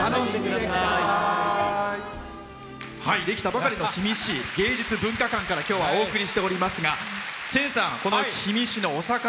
できたばかりの氷見市芸術文化館から今日はお送りしておりますが千さん、氷見市のお魚。